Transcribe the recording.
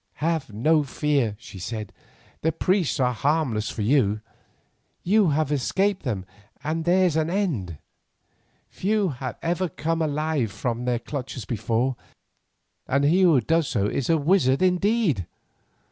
"Have no fear," she said; "the priests are harmless for you. You have escaped them and there's an end. Few have ever come alive from their clutches before, and he who does so is a wizard indeed.